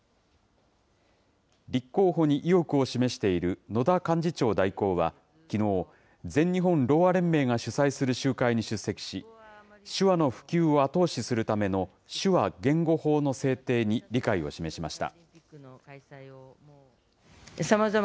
立候補に意欲を示している野田幹事長代行はきのう、全日本ろうあ連盟が主催する集会に出席し、手話の普及を後押しするための手話言語法の制定に理解を示しました。